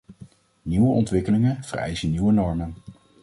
Nieuwe ontwikkelingen vereisen nieuwe normen.